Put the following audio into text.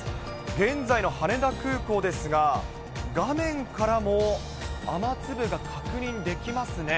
現在の羽田空港ですが、画面からも雨粒が確認できますね。